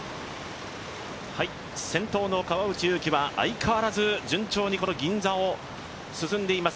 先頭の川内優輝は相変わらず順調に銀座を進んでいます。